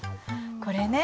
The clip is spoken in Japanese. これね。